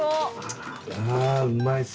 ああうまいっす！